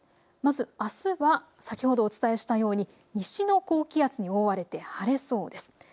まずあすは先ほどお伝えしたように西の高気圧に覆われて晴れそうです。